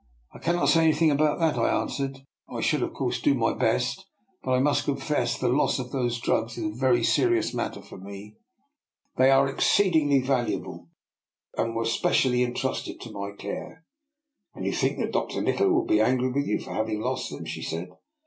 *' I cannot say anything about that," I an swered. " I should of course do my best, but I must confess the loss of those drugs is a very serious matter for me. They are exceedingly valuable, and were specially entrusted to my care." "And you think that Dr. Nikola will be angry with you for having lost them? " she said.